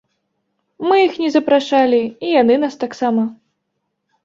Мы іх не запрашалі, і яны нас таксама.